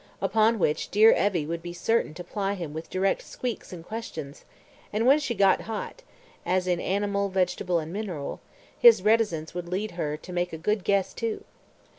Upon which dear Evie would be certain to ply him with direct squeaks and questions, and when she "got hot" (as in animal, vegetable and mineral) his reticence would lead her to make a good guess too.